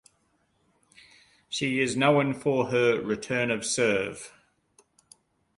She is known for her return of serve.